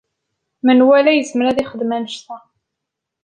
Menwala yezmer ad yexdem annect-a.